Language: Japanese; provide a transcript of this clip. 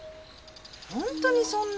本当にそんな？